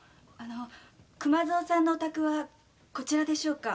熊三さんのお宅はこちらでしょうか？